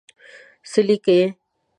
څه لیکې.